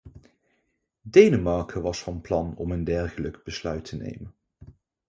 Denemarken was van plan om een dergelijk besluit te nemen.